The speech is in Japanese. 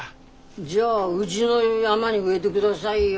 じゃあうぢの山に植えでくださいよ。